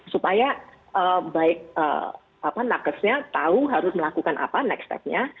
supaya nafasnya tahu harus melakukan apa next step nya